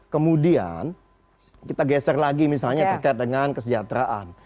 kemudian kita geser lagi misalnya terkait dengan kesejahteraan